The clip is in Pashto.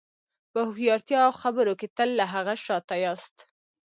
په هوښیارتیا او خبرو کې تل له هغه شاته یاست.